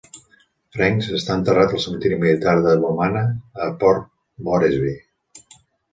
French està enterrat al cementiri militar de Bomana a Port Moresby.